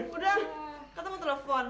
udah kata mau telepon